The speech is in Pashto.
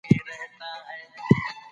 زه غواړم چي په ازاده توګه مطالعه وکړم.